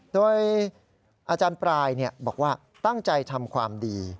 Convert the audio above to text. โดยอาจารย์ปลายบอกว่าตั้งใจทำความดี